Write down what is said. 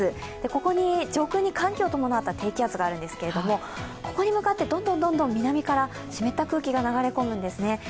ここに上空に寒気を伴った低気圧があるんですけどもここに向かってどんどん南から湿った空気が流れ込むんですね。